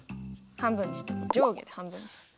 半分にした上下で半分にした。